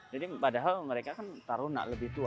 jadi padahal mereka kan taruh nak lebih tua